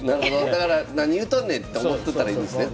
だから何言うとんねんって思っとったらいいんですね